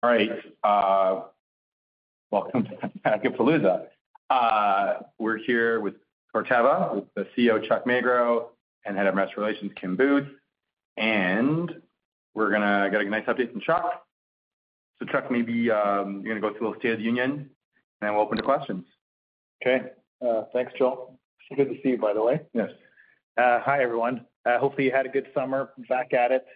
All right, welcome to Palooza. We're here with Corteva, with the CEO, Chuck Magro, and head of Investor Relations, Kim Booth. And we're gonna get a nice update from Chuck. So Chuck, maybe you're gonna go through a little state of the union, and then we'll open to questions. Okay. Thanks, Joel. So good to see you, by the way. Yes. Hi, everyone. Hopefully you had a good summer. Back at it.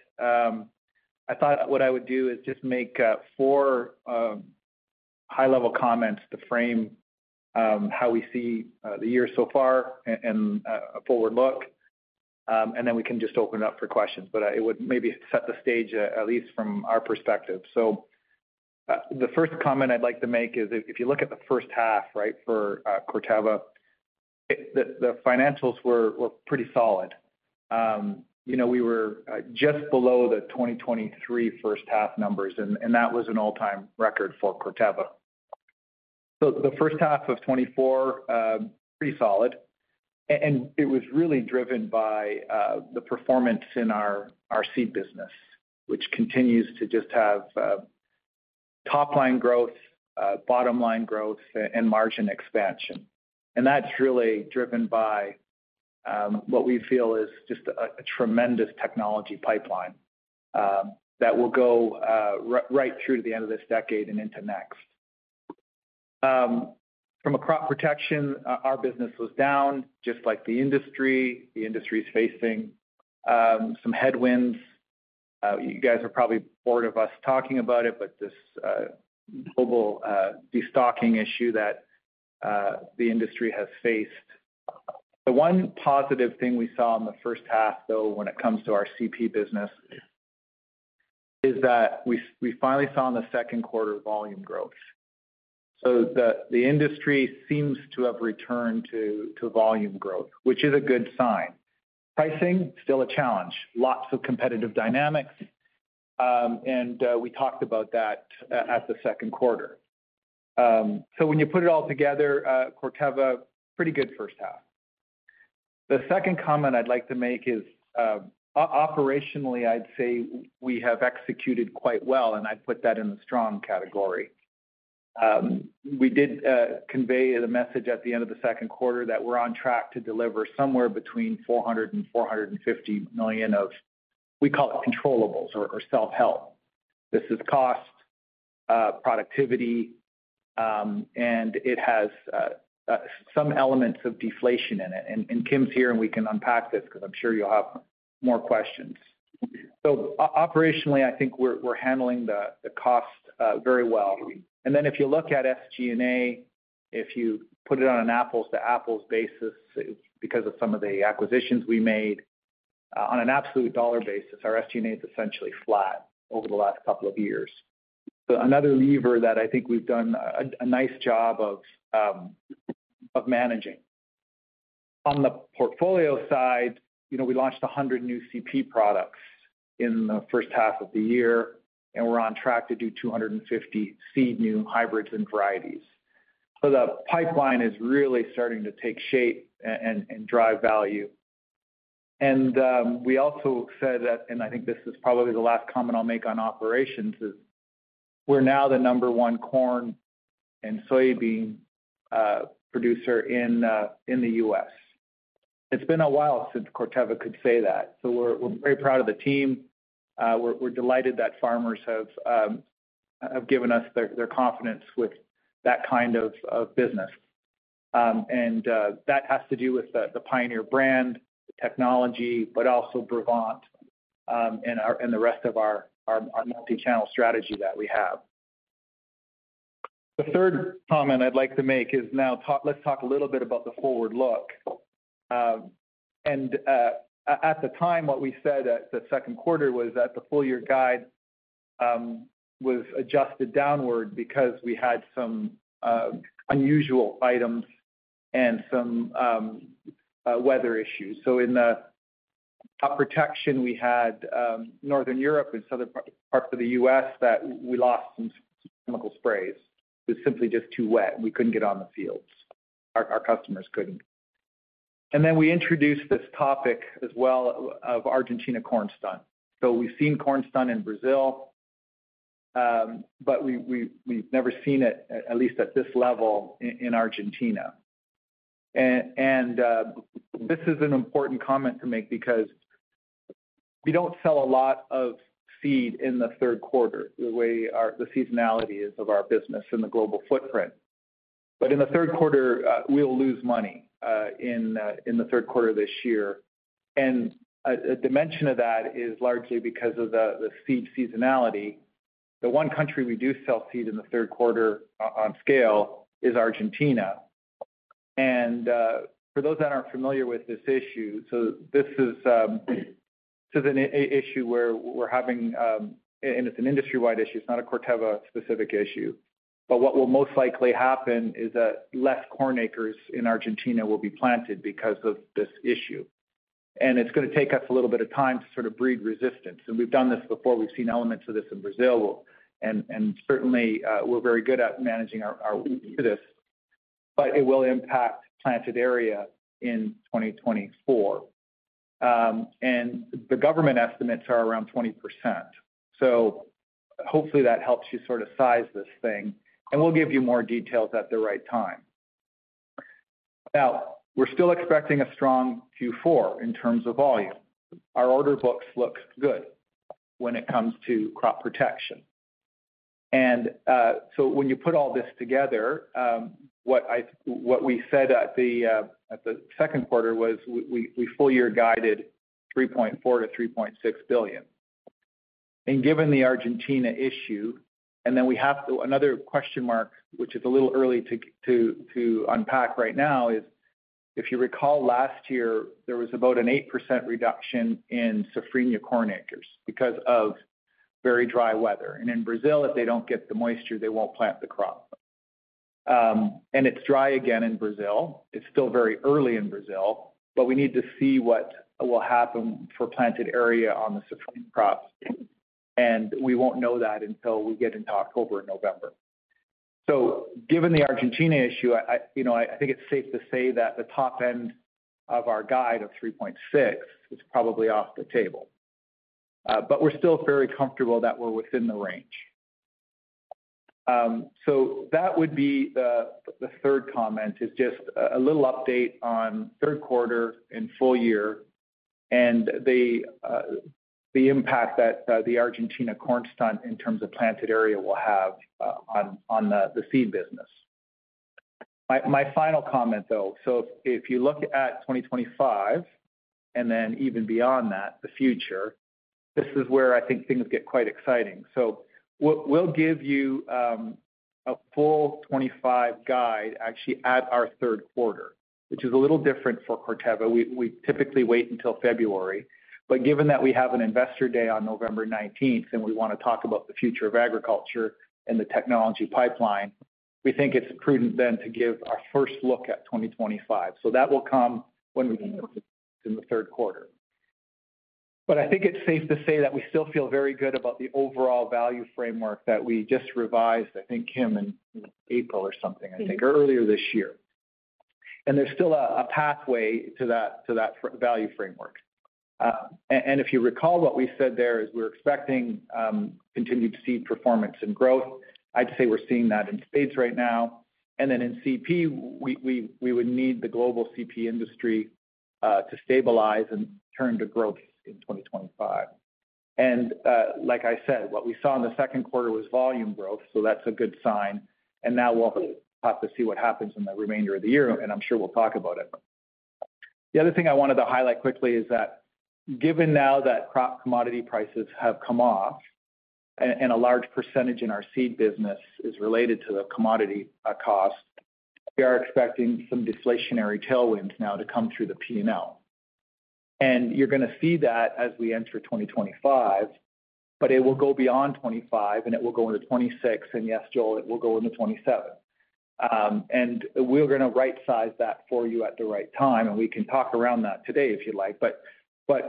I thought what I would do is just make four high-level comments to frame how we see the year so far and a forward look, and then we can just open it up for questions. But it would maybe set the stage, at least from our perspective. So the first comment I'd like to make is if you look at the first half, right, for Corteva, the financials were pretty solid. You know, we were just below the 2023 first half numbers, and that was an all-time record for Corteva. So the first half of 2024, pretty solid. And it was really driven by the performance in our seed business, which continues to just have top line growth, bottom line growth, and margin expansion. And that's really driven by what we feel is just a tremendous technology pipeline that will go right through to the end of this decade and into next. From a crop protection, our business was down, just like the industry. The industry is facing some headwinds. You guys are probably bored of us talking about it, but this global destocking issue that the industry has faced. The one positive thing we saw in the first half, though, when it comes to our CP business, is that we finally saw in the second quarter volume growth. So the industry seems to have returned to volume growth, which is a good sign. Pricing, still a challenge. Lots of competitive dynamics, and we talked about that at the second quarter. So when you put it all together, Corteva, pretty good first half. The second comment I'd like to make is, operationally, I'd say we have executed quite well, and I'd put that in the strong category. We did convey the message at the end of the second quarter that we're on track to deliver somewhere between $400 million and $450 million of, we call it controllables or self-help. This is cost productivity, and it has some elements of deflation in it. And Kim's here, and we can unpack this because I'm sure you'll have more questions. So, operationally, I think we're handling the cost very well. And then if you look at SG&A, if you put it on an apples-to-apples basis, because of some of the acquisitions we made, on an absolute dollar basis, our SG&A is essentially flat over the last couple of years. So another lever that I think we've done a nice job of managing. On the portfolio side, you know, we launched 100 new CP products in the first half of the year, and we're on track to do 250 new seed hybrids and varieties. So the pipeline is really starting to take shape and drive value. And, we also said that, and I think this is probably the last comment I'll make on operations, is we're now the number one corn and soybean producer in the U.S. It's been a while since Corteva could say that, so we're very proud of the team. We're delighted that farmers have given us their confidence with that kind of business. And, that has to do with the Pioneer brand, the technology, but also Brevant, and the rest of our multi-channel strategy that we have. The third comment I'd like to make is, let's talk a little bit about the forward look. At the time, what we said at the second quarter was that the full year guide was adjusted downward because we had some unusual items and some weather issues. In the crop protection, we had Northern Europe and southern parts of the U.S. that we lost some chemical sprays. It was simply just too wet. We couldn't get on the fields. Our customers couldn't. Then we introduced this topic as well of Argentina corn stunt. We've seen corn stunt in Brazil, but we've never seen it, at least at this level, in Argentina. This is an important comment to make because we don't sell a lot of seed in the third quarter, the way our seasonality is of our business and the global footprint. But in the third quarter, we'll lose money in the third quarter of this year. And a dimension of that is largely because of the seed seasonality. The one country we do sell seed in the third quarter on scale is Argentina. And for those that aren't familiar with this issue, so this is an issue where we're having and it's an industry-wide issue, it's not a Corteva-specific issue, but what will most likely happen is that less corn acres in Argentina will be planted because of this issue. And it's gonna take us a little bit of time to sort of breed resistance. And we've done this before. We've seen elements of this in Brazil, and certainly we're very good at managing our way through this... but it will impact planted area in 2024. And the government estimates are around 20%. So hopefully that helps you sort of size this thing, and we'll give you more details at the right time. Now, we're still expecting a strong Q4 in terms of volume. Our order books look good when it comes to crop protection. And, so when you put all this together, what we said at the second quarter was we full year guided $3.4-$3.6 billion. And given the Argentina issue, and then we have another question mark, which is a little early to unpack right now, is if you recall last year, there was about an 8% reduction in safrinha corn acres because of very dry weather. And in Brazil, if they don't get the moisture, they won't plant the crop. And it's dry again in Brazil. It's still very early in Brazil, but we need to see what will happen for planted area on the safrinha crops, and we won't know that until we get into October and November. So given the Argentina issue, you know, I think it's safe to say that the top end of our guide of three point six is probably off the table. But we're still very comfortable that we're within the range. So that would be the third comment, is just a little update on third quarter and full year, and the impact that the Argentina corn stunt in terms of planted area will have on the seed business. My, my final comment, though: so if you look at twenty twenty-five and then even beyond that, the future, this is where I think things get quite exciting. So we'll give you a full twenty-five guide actually at our third quarter, which is a little different for Corteva. We typically wait until February, but given that we have an Investor Day on November nineteenth and we want to talk about the future of agriculture and the technology pipeline, we think it's prudent then to give our first look at twenty twenty-five. So that will come when we in the third quarter. But I think it's safe to say that we still feel very good about the overall value framework that we just revised, I think, Kim, in April or something, I think earlier this year. There's still a pathway to that value framework. And if you recall, what we said there is we're expecting continued seed performance and growth. I'd say we're seeing that in States right now. And then in CP, we would need the global CP industry to stabilize and turn to growth in 2025. And like I said, what we saw in the second quarter was volume growth, so that's a good sign. And now we'll have to see what happens in the remainder of the year, and I'm sure we'll talk about it. The other thing I wanted to highlight quickly is that given now that crop commodity prices have come off and a large percentage in our seed business is related to the commodity cost, we are expecting some deflationary tailwinds now to come through the P&L. And you're gonna see that as we enter 2025, but it will go beyond 2025, and it will go into 2026, and yes, Joel, it will go into 2027. And we're gonna rightsize that for you at the right time, and we can talk around that today if you'd like. But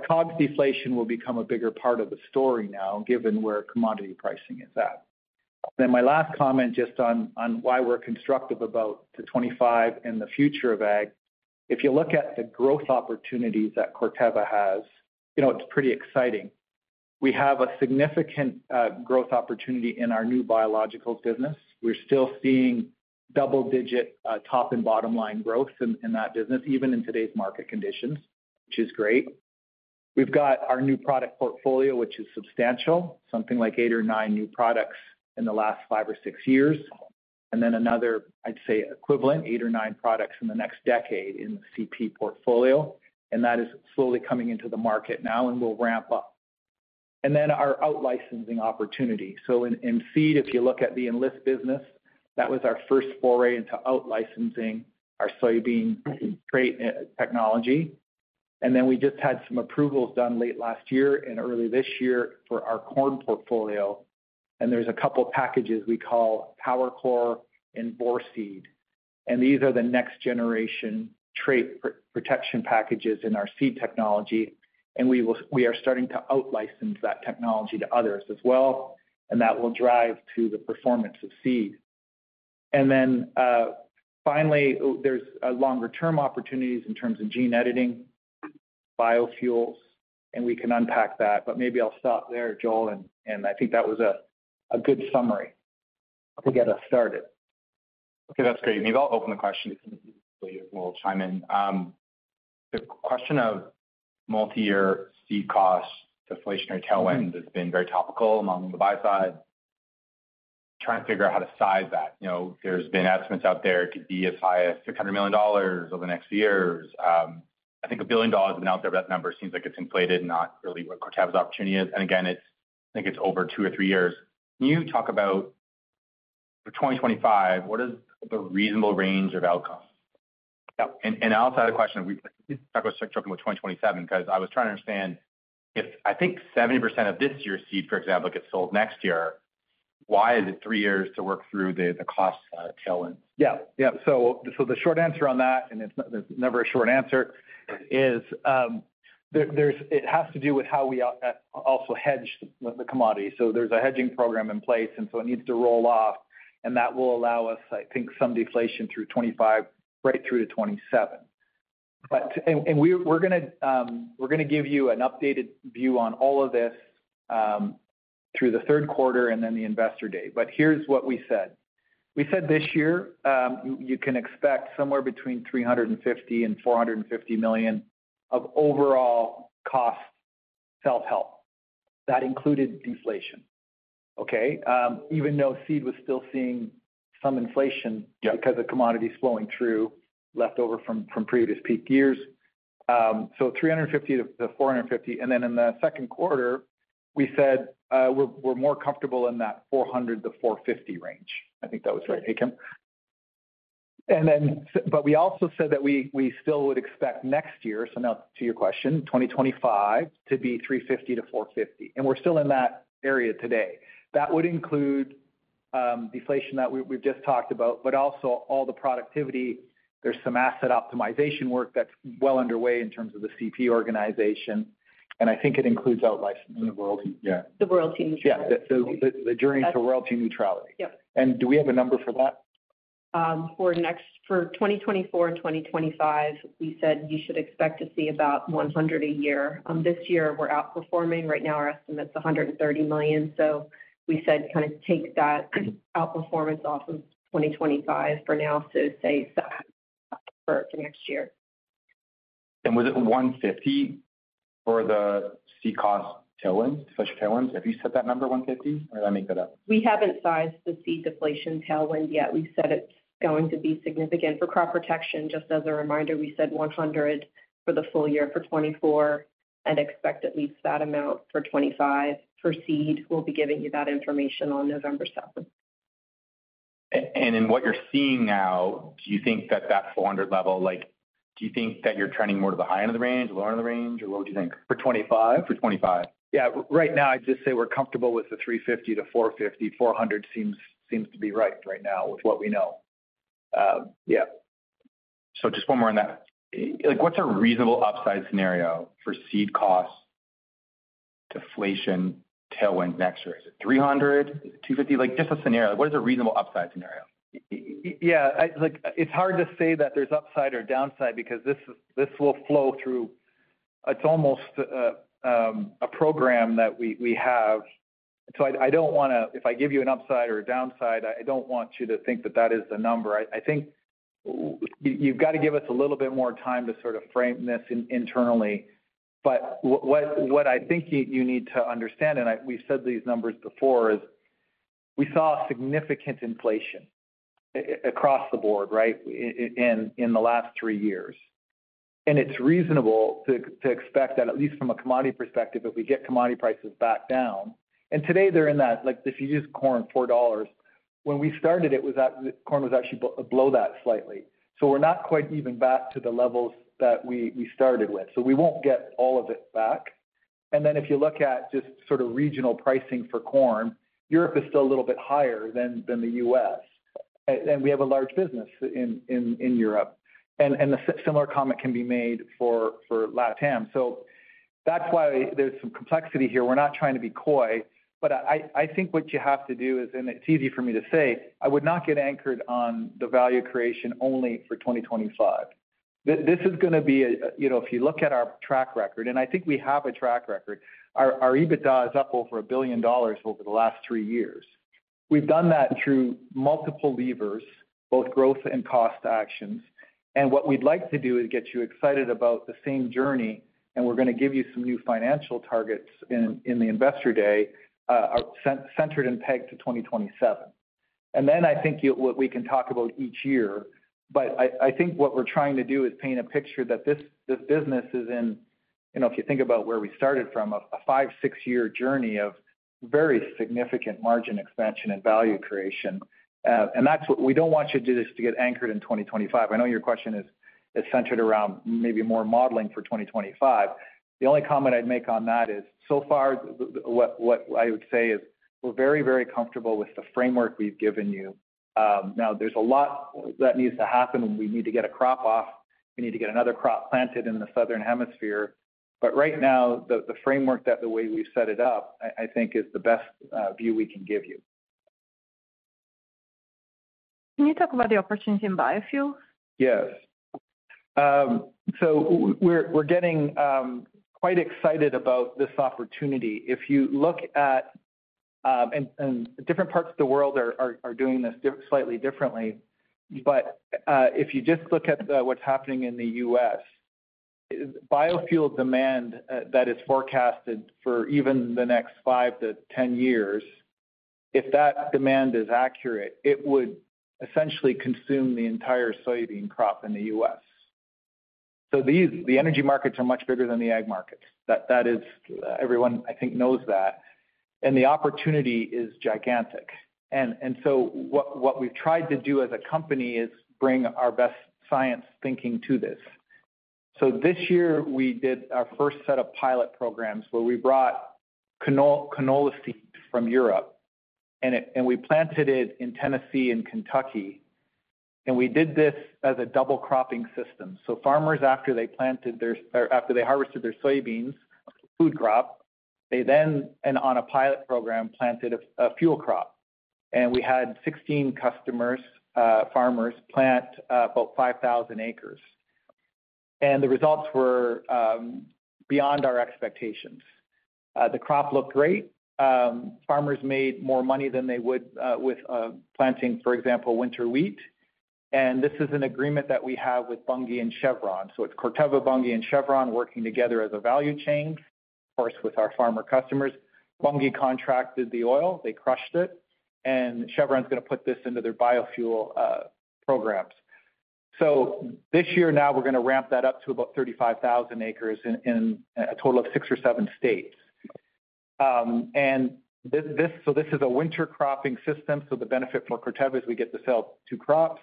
COGS deflation will become a bigger part of the story now, given where commodity pricing is at. Then my last comment, just on why we're constructive about the 2025 and the future of ag. If you look at the growth opportunities that Corteva has, you know, it's pretty exciting. We have a significant growth opportunity in our new biologicals business. We're still seeing double-digit top and bottom line growth in that business, even in today's market conditions, which is great. We've got our new product portfolio, which is substantial, something like eight or nine new products in the last five or six years, and then another, I'd say, equivalent, eight or nine products in the next decade in the CP portfolio, and that is slowly coming into the market now and will ramp up. And then our out-licensing opportunity. So in seed, if you look at the Enlist business, that was our first foray into out-licensing our soybean trait technology. And then we just had some approvals done late last year and early this year for our corn portfolio, and there's a couple packages we call PowerCore and Vorceed, and these are the next generation trait protection packages in our seed technology, and we are starting to out-license that technology to others as well, and that will drive to the performance of seed. And then, finally, there's longer-term opportunities in terms of gene editing, biofuels, and we can unpack that, but maybe I'll stop there, Joel, and I think that was a good summary to get us started. Okay, that's great. Maybe I'll open the question, and we'll chime in. The question of multi-year seed cost, deflationary tailwinds has been very topical among the buy side, trying to figure out how to size that. You know, there's been estimates out there. It could be as high as $600 million over the next years. I think a billion dollars has been out there, but that number seems like it's inflated, not really what Corteva's opportunity is. And again, it's, I think it's over two or three years. Can you talk about for 2025, what is the reasonable range of outcomes? Yeah, and, and I also had a question. We talk about 2027, because I was trying to understand if I think 70% of this year's seed, for example, gets sold next year, why is it three years to work through the, the cost tailwind? Yeah. So, the short answer on that, and it's – there's never a short answer, is. It has to do with how we also hedge the commodity. So there's a hedging program in place, and so it needs to roll off, and that will allow us, I think, some deflation through 2025, right through to 2027. But we're gonna give you an updated view on all of this through the third quarter and then the Investor Day. But here's what we said. We said this year, you can expect somewhere between $350 million and $450 million of overall cost self-help. That included deflation, okay? Even though seed was still seeing some inflation- Because of commodities flowing through, left over from previous peak years. So 350 to 450, and then in the second quarter, we said we're more comfortable in that 400-450 range. I think that was right. Hey, Kim? And then but we also said that we still would expect next year, so now to your question, 2025, to be 350-450, and we're still in that area today. That would include deflation that we've just talked about, but also all the productivity. There's some asset optimization work that's well underway in terms of the CP organization, and I think it includes out-licensing in the world. Yeah. The royalty neutrality. Yeah, the journey to royalty neutrality. Yep. Do we have a number for that? For 2024 and 2025, we said you should expect to see about $100 million a year. This year, we're outperforming. Right now, our estimate's $130 million. So we said kind of take that outperformance off of 2025 for now, so say, for next year. Was it 150 for the seed cost tailwind, such tailwinds? Have you set that number, 150, or did I make that up? We haven't sized the seed deflation tailwind yet. We've said it's going to be significant. For crop protection, just as a reminder, we said $100 for the full year for 2024 and expect at least that amount for 2025. For seed, we'll be giving you that information on November seventh. In what you're seeing now, do you think that that four hundred level, like, do you think that you're trending more to the high end of the range, lower end of the range, or what would you think? For twenty-five? For twenty-five. Yeah. Right now, I'd just say we're comfortable with the $350-$450. $400 seems to be right, right now, with what we know. Yeah. So just one more on that. Like, what's a reasonable upside scenario for seed cost deflation tailwind next year? Is it three hundred? Is it two fifty? Like, just a scenario. What is a reasonable upside scenario? Yeah, like, it's hard to say that there's upside or downside because this will flow through. It's almost a program that we have. So I don't wanna. If I give you an upside or a downside, I don't want you to think that that is the number. I think you've got to give us a little bit more time to sort of frame this internally. But what I think you need to understand, and we've said these numbers before, is we saw significant inflation across the board, right, in the last three years. And it's reasonable to expect that, at least from a commodity perspective, if we get commodity prices back down. And today they're in that, like, if you use corn, $4. When we started, corn was actually below that slightly. So we're not quite even back to the levels that we started with. So we won't get all of it back. And then if you look at just sort of regional pricing for corn, Europe is still a little bit higher than the US, and we have a large business in Europe. And a similar comment can be made for LatAm. So that's why there's some complexity here. We're not trying to be coy, but I think what you have to do is, and it's easy for me to say, I would not get anchored on the value creation only for 2025. This is gonna be a, you know, if you look at our track record, and I think we have a track record, our EBITDA is up over $1 billion over the last three years. We've done that through multiple levers, both growth and cost actions. And what we'd like to do is get you excited about the same journey, and we're gonna give you some new financial targets in the Investor Day, centered and pegged to 2027. And then what we can talk about each year, but I think what we're trying to do is paint a picture that this business is in, you know, if you think about where we started from, a five, six-year journey of very significant margin expansion and value creation. And that's what. We don't want you to just get anchored in twenty twenty-five. I know your question is centered around maybe more modeling for twenty twenty-five. The only comment I'd make on that is, so far, what I would say is, we're very, very comfortable with the framework we've given you. Now there's a lot that needs to happen, and we need to get a crop off. We need to get another crop planted in the Southern Hemisphere. But right now, the framework that the way we've set it up, I think is the best view we can give you. Can you talk about the opportunity in biofuels? Yes. So we're getting quite excited about this opportunity. If you look at, and different parts of the world are doing this slightly differently, but if you just look at what's happening in the U.S., biofuel demand that is forecasted for even the next five to 10 years, if that demand is accurate, it would essentially consume the entire soybean crop in the U.S. So the energy markets are much bigger than the ag markets. That is, everyone, I think, knows that, and the opportunity is gigantic. And so what we've tried to do as a company is bring our best science thinking to this. So this year, we did our first set of pilot programs, where we brought canola seeds from Europe, and we planted it in Tennessee and Kentucky. And we did this as a double cropping system. So farmers, after they harvested their soybeans food crop, they then, on a pilot program, planted a fuel crop. And we had 16 customers, farmers plant about 5,000 acres. And the results were beyond our expectations. The crop looked great. Farmers made more money than they would with planting, for example, winter wheat. And this is an agreement that we have with Bunge and Chevron. So it's Corteva, Bunge, and Chevron working together as a value chain, of course, with our farmer customers. Bunge contracted the oil, they crushed it, and Chevron's gonna put this into their biofuel programs. This year now, we're gonna ramp that up to about 35,000 acres in a total of six or seven states. This is a winter cropping system, so the benefit for Corteva is we get to sell two crops.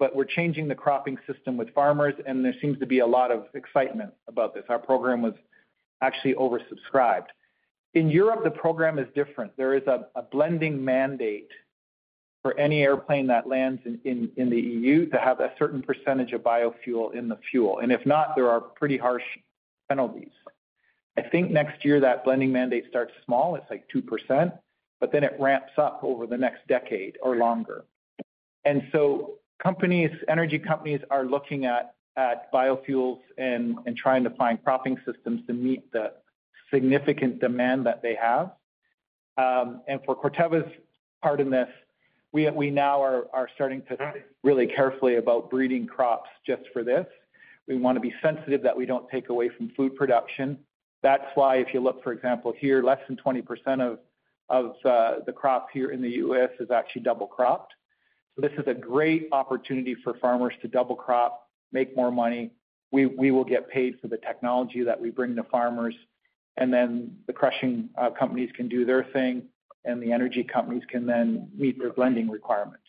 But we're changing the cropping system with farmers, and there seems to be a lot of excitement about this. Our program was actually oversubscribed. In Europe, the program is different. There is a blending mandate for any airplane that lands in the EU to have a certain percentage of biofuel in the fuel. And if not, there are pretty harsh penalties. I think next year, that blending mandate starts small, it's like 2%, but then it ramps up over the next decade or longer, and so companies, energy companies are looking at biofuels and trying to find cropping systems to meet the significant demand that they have, and for Corteva's part in this, we now are starting to think really carefully about breeding crops just for this. We want to be sensitive that we don't take away from food production. That's why if you look, for example, here, less than 20% of the crop here in the U.S. is actually double cropped. So this is a great opportunity for farmers to double crop, make more money. We will get paid for the technology that we bring to farmers, and then the crushing companies can do their thing, and the energy companies can then meet their blending requirements.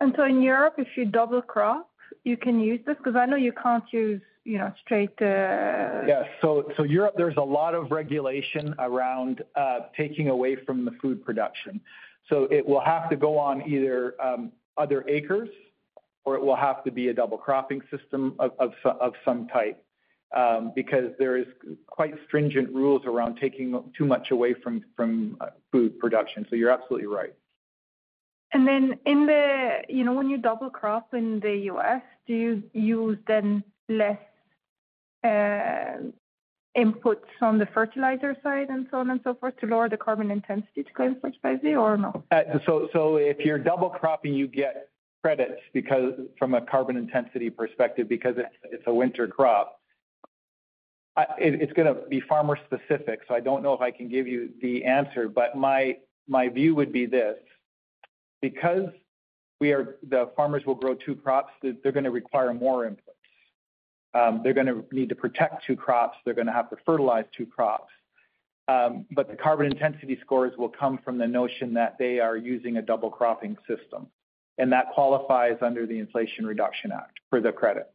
And so in Europe, if you double crop, you can use this? Because I know you can't use, you know, straight, Yes. So Europe, there's a lot of regulation around taking away from the food production. So it will have to go on either other acres, or it will have to be a double cropping system of some type, because there is quite stringent rules around taking too much away from food production. So you're absolutely right. You know, when you double crop in the US, do you use then less inputs on the fertilizer side and so on and so forth, to lower the carbon intensity to go in first by day or no? So if you're double cropping, you get credits because from a carbon intensity perspective, because it's a winter crop. It's gonna be farmer specific, so I don't know if I can give you the answer, but my view would be this: because the farmers will grow two crops, they're gonna require more inputs. They're gonna need to protect two crops, they're gonna have to fertilize two crops. But the carbon intensity scores will come from the notion that they are using a double cropping system, and that qualifies under the Inflation Reduction Act for the credit.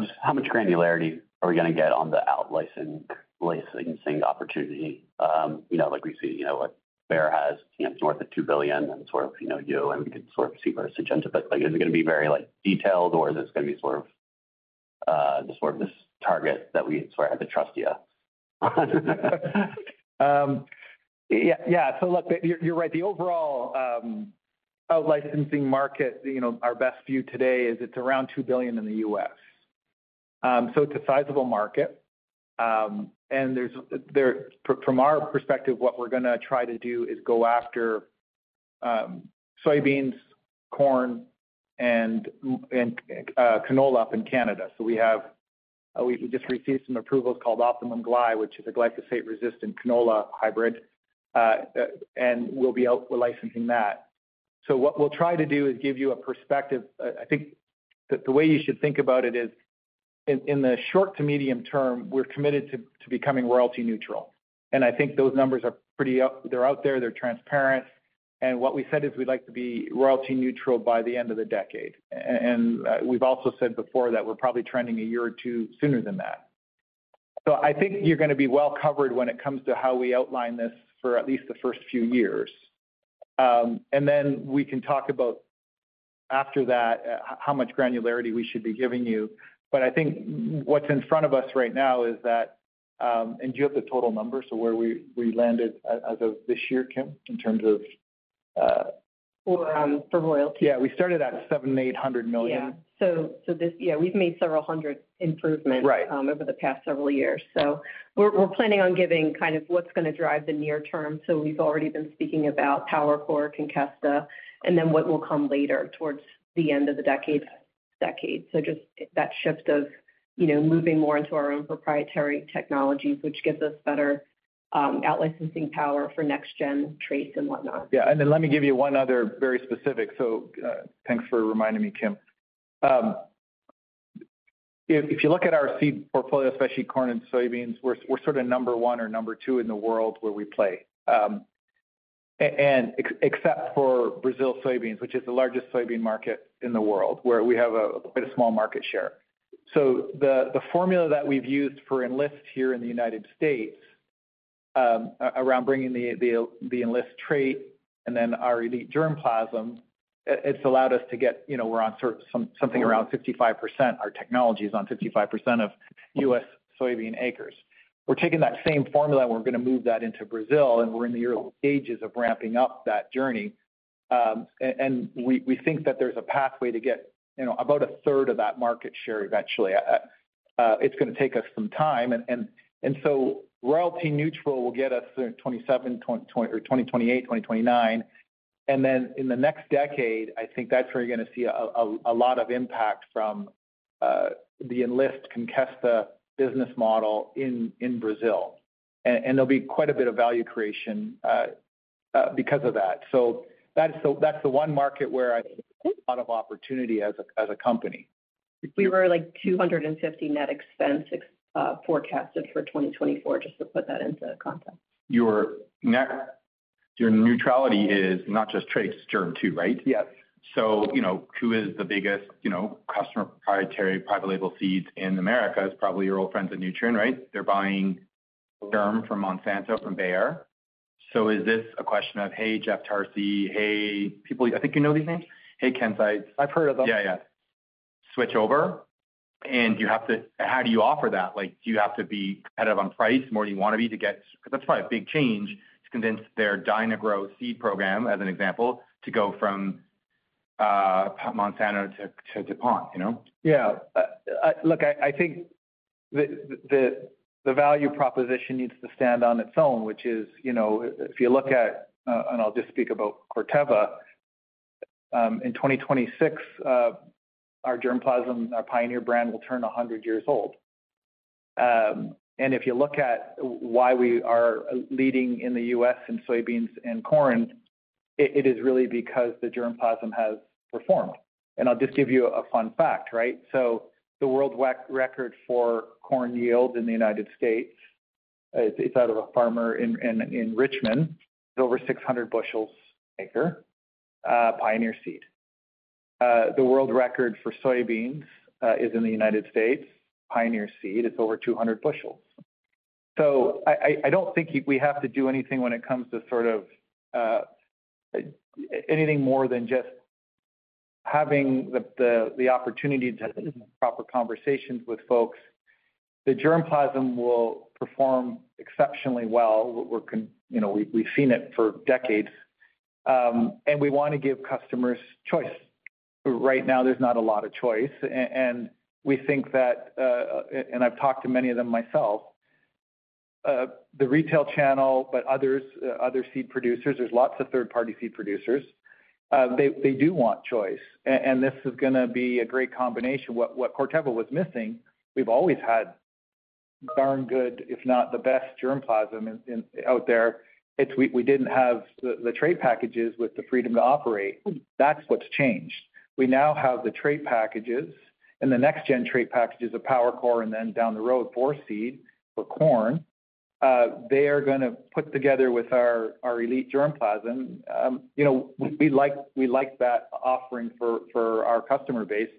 Just how much granularity are we gonna get on the out-licensing opportunity? You know, like we see, you know, what Bayer has, you know, it's worth $2 billion, and sort of, you know, you and we can sort of see where to suggest it. But like, is it gonna be very, like, detailed, or is this gonna be sort of, the sort of this target that we sort of have to trust you? Yeah, yeah. So look, you're right. The overall out-licensing market, you know, our best view today is it's around $2 billion in the U.S. So it's a sizable market. And there's from our perspective, what we're gonna try to do is go after soybeans, corn, and canola up in Canada. So we have just received some approvals called Optimum GLY, which is a glyphosate-resistant canola hybrid, and we'll be out-licensing that. So what we'll try to do is give you a perspective. I think that the way you should think about it is, in the short to medium term, we're committed to becoming royalty neutral. And I think those numbers are pretty up. They're out there, they're transparent. And what we said is we'd like to be royalty neutral by the end of the decade. And, we've also said before that we're probably trending a year or two sooner than that. So I think you're gonna be well covered when it comes to how we outline this for at least the first few years. And then we can talk about after that, how much granularity we should be giving you. But I think what's in front of us right now is that. And do you have the total number? So where we landed as of this year, Kim, in terms of, For royalty? Yeah, we started at $700 million-$800 million. We've made several hundred improvements- Right. Over the past several years. So we're planning on giving kind of what's gonna drive the near term. So we've already been speaking about PowerCore, Conkesta, and then what will come later towards the end of the decade. So just that shift of, you know, moving more into our own proprietary technologies, which gives us better out-licensing power for next gen traits and whatnot. Yeah, and then let me give you one other very specific, so thanks for reminding me, Kim. If you look at our seed portfolio, especially corn and soybeans, we're sort of number one or number two in the world where we play, and except for Brazil soybeans, which is the largest soybean market in the world, where we have a small market share, so the formula that we've used for Enlist here in the United States, around bringing the Enlist trait and then our elite germplasm, it's allowed us to get, you know, we're on sort of something around 55%. Our technology is on 55% of U.S. soybean acres. We're taking that same formula, and we're gonna move that into Brazil, and we're in the early stages of ramping up that journey. We think that there's a pathway to get, you know, about a third of that market share eventually. It's gonna take us some time, and so royalty neutral will get us to 2027, 2028, or 2029. There'll be quite a bit of value creation because of that. So that's the one market where I think a lot of opportunity as a company. We were, like, 250 net expense, ex- forecasted for 2024, just to put that into context. Your neutrality is not just traits, germplasm, too, right? Yes. So, you know, who is the biggest, you know, customer proprietary private label seeds in America is probably your old friends at Nutrien, right? They're buying germ from Monsanto, from Bayer. So is this a question of: Hey, Jeff Tarsi, hey, people. I think you know these names. Hey, Ken Seitz. I've heard of them. Yeah, yeah. Switch over, and you have to. How do you offer that? Like, do you have to be competitive on price more than you want to be to get. Because that's probably a big change to convince their Dyna-Gro seed program, as an example, to go from Monsanto to DuPont, you know? Yeah. Look, I think the value proposition needs to stand on its own, which is, you know, if you look at, and I'll just speak about Corteva, in 2026, our germplasm, our Pioneer brand, will turn 100 years old. And if you look at why we are leading in the U.S. in soybeans and corn, it is really because the germplasm has performed. And I'll just give you a fun fact, right? So the world record for corn yield in the United States, it's out of a farmer in Richmond, over 600 bushels an acre, Pioneer Seed. The world record for soybeans is in the United States, Pioneer Seed. It's over 200 bushels. I don't think we have to do anything when it comes to sort of anything more than just having the opportunity to have proper conversations with folks. The germplasm will perform exceptionally well. We're, you know, we've seen it for decades, and we want to give customers choice. Right now, there's not a lot of choice, and we think that, and I've talked to many of them myself, the retail channel, but others, other seed producers, there's lots of third-party seed producers. They do want choice, and this is gonna be a great combination. What Corteva was missing, we've always had darn good, if not the best, germplasm in out there. It's we didn't have the trait packages with the freedom to operate. That's what's changed. We now have the trait packages and the next gen trait packages of PowerCore, and then down the road, Vorceed for corn. They are gonna put together with our elite germplasm. You know, we like that offering for our customer base,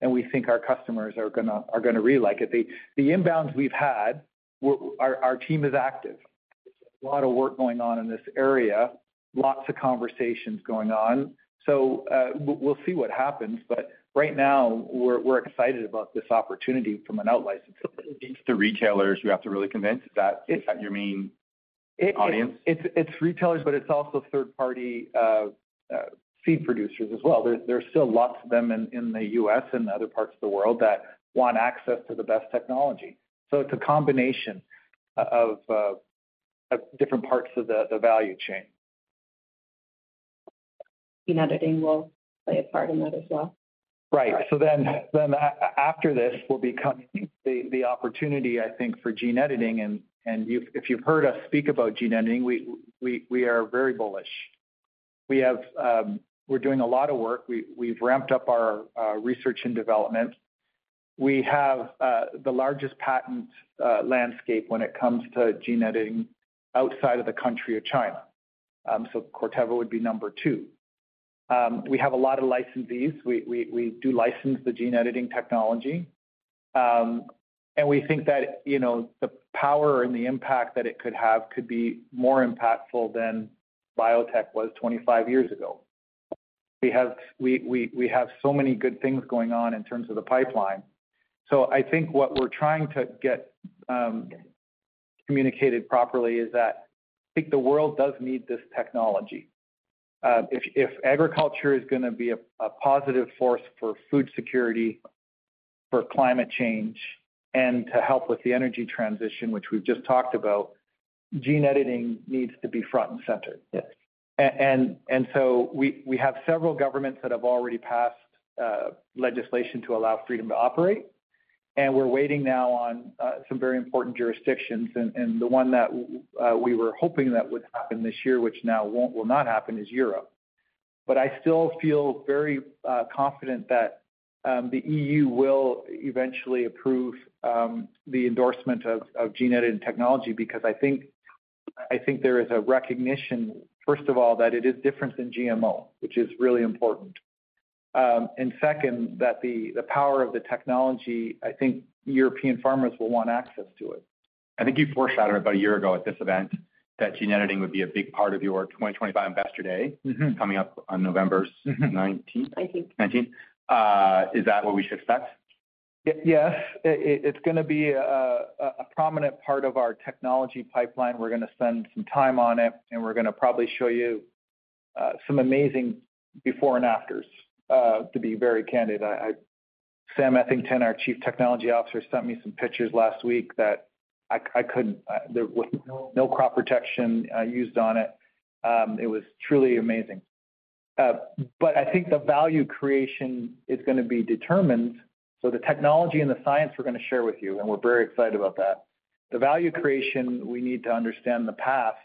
and we think our customers are gonna really like it. The inbounds we've had, our team is active. A lot of work going on in this area, lots of conversations going on, so we'll see what happens, but right now, we're excited about this opportunity from an outlicense. The retailers, you have to really convince that it's your main audience. It's, it's retailers, but it's also third-party seed producers as well. There's still lots of them in the US and other parts of the world that want access to the best technology. So it's a combination of different parts of the value chain. Gene editing will play a part in that as well. Right. After this will be coming the opportunity, I think, for gene editing. And you've heard us speak about gene editing, we are very bullish. We're doing a lot of work. We've ramped up our research and development. We have the largest patent landscape when it comes to gene editing outside of the country of China. So Corteva would be number two. We have a lot of licensees. We do license the gene editing technology, and we think that, you know, the power and the impact that it could have could be more impactful than biotech was twenty-five years ago. We have so many good things going on in terms of the pipeline. So I think what we're trying to get communicated properly is that I think the world does need this technology. If agriculture is gonna be a positive force for food security, for climate change, and to help with the energy transition, which we've just talked about, gene editing needs to be front and center. Yes. And so we have several governments that have already passed legislation to allow freedom to operate, and we're waiting now on some very important jurisdictions. And the one that we were hoping that would happen this year, which now won't, will not happen, is Europe. But I still feel very confident that the EU will eventually approve the endorsement of gene-editing technology, because I think there is a recognition, first of all, that it is different than GMO, which is really important. And second, that the power of the technology, I think European farmers will want access to it. I think you foreshadowed about a year ago at this event, that gene editing would be a big part of your 2025 Investor Day. Coming up on November nineteenth? Nineteenth. Nineteenth. Is that what we should expect? Yes. It's gonna be a prominent part of our technology pipeline. We're gonna spend some time on it, and we're gonna probably show you some amazing before and afters, to be very candid. Sam Eathington, our Chief Technology Officer, sent me some pictures last week that I couldn't. There was no crop protection used on it. It was truly amazing. But I think the value creation is gonna be determined. So the technology and the science we're gonna share with you, and we're very excited about that. The value creation, we need to understand the path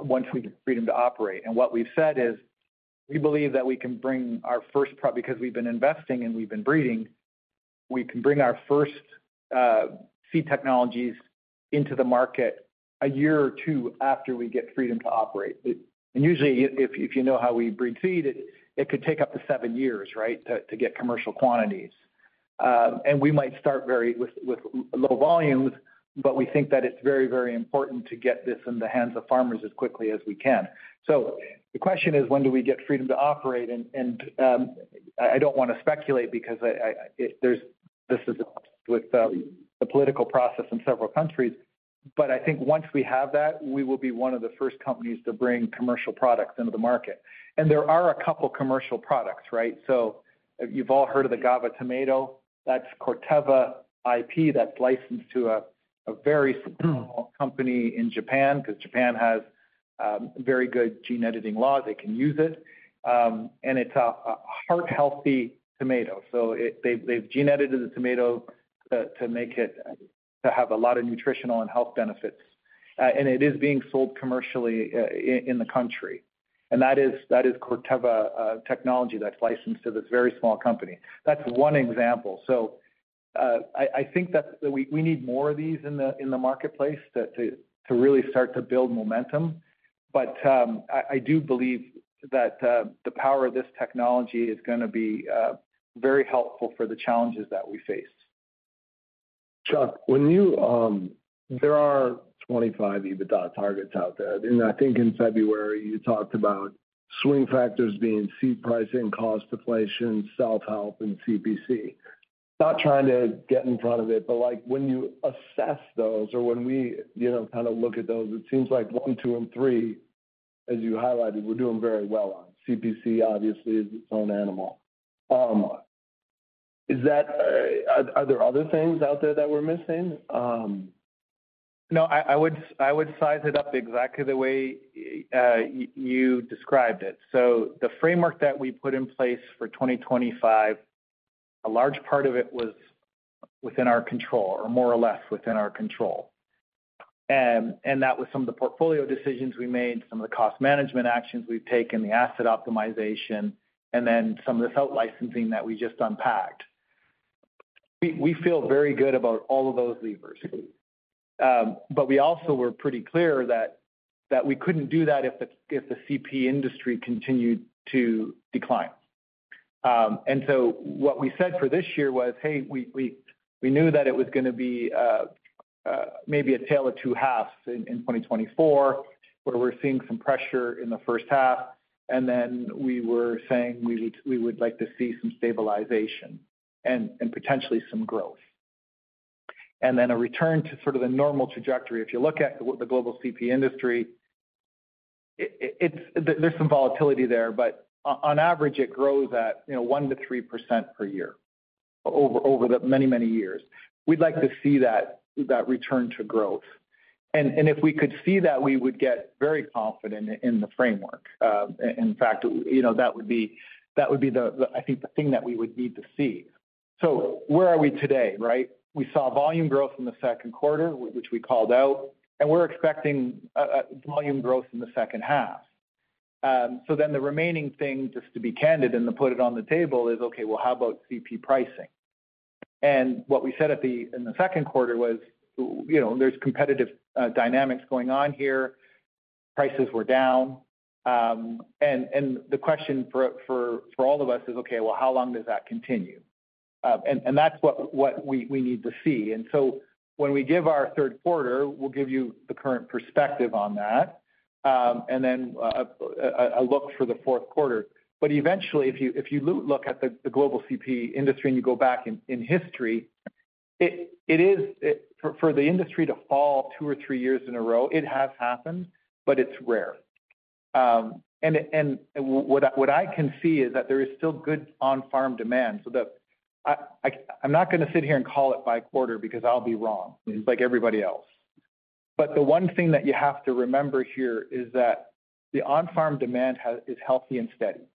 once we get freedom to operate. And what we've said is, we believe that we can bring our first because we've been investing and we've been breeding, we can bring our first seed technologies into the market a year or two after we get freedom to operate. And usually, if you know how we breed seed, it could take up to seven years, right, to get commercial quantities. And we might start very with low volumes, but we think that it's very, very important to get this in the hands of farmers as quickly as we can. So the question is, when do we get freedom to operate? And I don't wanna speculate because this is with the political process in several countries. I think once we have that, we will be one of the first companies to bring commercial products into the market. There are a couple commercial products, right? You've all heard of the GABA tomato. That's Corteva IP, that's licensed to a very small company in Japan, because Japan has very good gene editing laws, they can use it. And it's a heart healthy tomato, so they've gene edited the tomato to make it to have a lot of nutritional and health benefits. And it is being sold commercially in the country, and that is Corteva technology that's licensed to this very small company. That's one example. I think that we need more of these in the marketplace to really start to build momentum. But, I do believe that the power of this technology is gonna be very helpful for the challenges that we face. Chuck, when you... There are twenty-five EBITDA targets out there, and I think in February, you talked about swing factors being seed pricing, cost deflation, self-help, and CPC. Not trying to get in front of it, but, like, when you assess those or when we, you know, kind of look at those, it seems like one, two, and three, as you highlighted, we're doing very well on. CPC, obviously, is its own animal. Is that, are there other things out there that we're missing? No, I would size it up exactly the way you described it. So the framework that we put in place for 2025, a large part of it was within our control, or more or less within our control. And that was some of the portfolio decisions we made, some of the cost management actions we've taken, the asset optimization, and then some of the out-licensing that we just unpacked. We feel very good about all of those levers. But we also were pretty clear that we couldn't do that if the CP industry continued to decline. And so what we said for this year was, hey, we knew that it was gonna be maybe a tale of two halves in 2024, where we're seeing some pressure in the first half, and then we were saying we would like to see some stabilization and potentially some growth, then a return to sort of the normal trajectory. If you look at the global CP industry, it's. There's some volatility there, but on average, it grows at, you know, 1% to 3% per year, over the many years. We'd like to see that return to growth, and if we could see that, we would get very confident in the framework. In fact, you know, that would be the thing that we would need to see. So where are we today, right? We saw volume growth in the second quarter, which we called out, and we're expecting volume growth in the second half. So then the remaining thing, just to be candid and to put it on the table, is, okay, well, how about CP pricing? And what we said in the second quarter was, you know, there's competitive dynamics going on here. Prices were down. And the question for all of us is, okay, well, how long does that continue? And that's what we need to see. And so when we give our third quarter, we'll give you the current perspective on that, and then a look for the fourth quarter. But eventually, if you look at the global CP industry and you go back in history, it is for the industry to fall two or three years in a row, it has happened, but it's rare. And what I can see is that there is still good on-farm demand so that... I, I'm not gonna sit here and call it by quarter because I'll be wrong, like everybody else. But the one thing that you have to remember here is that the on-farm demand is healthy and steady.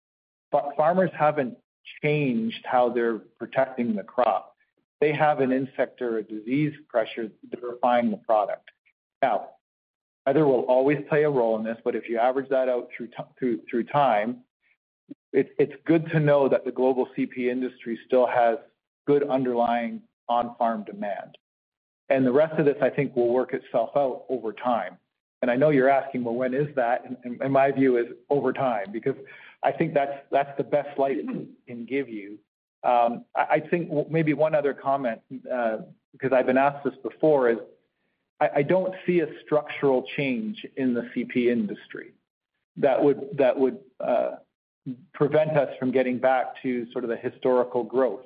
But farmers haven't changed how they're protecting the crop. They have an insect or a disease pressure, they're buying the product. Now, weather will always play a role in this, but if you average that out through time, it's good to know that the global CP industry still has good underlying on-farm demand. And the rest of this, I think, will work itself out over time. And I know you're asking, but when is that? And my view is over time, because I think that's the best light I can give you. I think maybe one other comment, because I've been asked this before, is I don't see a structural change in the CP industry that would prevent us from getting back to sort of the historical growth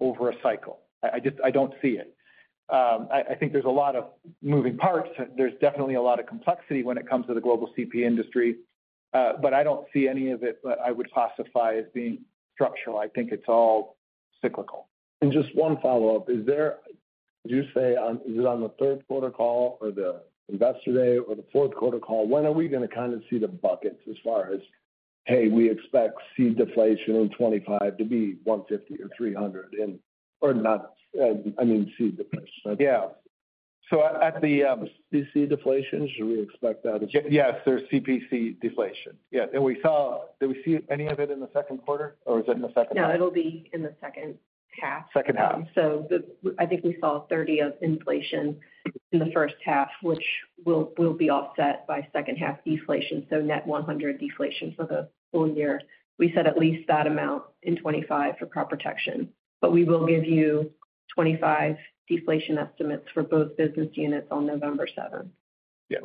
over a cycle. I just don't see it. I think there's a lot of moving parts. There's definitely a lot of complexity when it comes to the global CP industry, but I don't see any of it that I would classify as being structural. I think it's all cyclical. Just one follow-up. Is there, did you say on, is it on the third quarter call or the Investor Day or the fourth quarter call? When are we gonna kind of see the buckets as far as, hey, we expect seed deflation in 2025 to be $150 or $300, I mean, seed deflation. Yeah. So at the CP deflation, should we expect that as- Yes, there's CPC deflation. Yes. Did we see any of it in the second quarter, or is it in the second half? No, it'll be in the second half. Second half. So, I think we saw 30 bps of inflation in the first half, which will be offset by second-half deflation, so net 100 bps deflation for the full year. We said at least that amount in 2025 for crop protection, but we will give you 2025 deflation estimates for both business units on November 7. Yeah.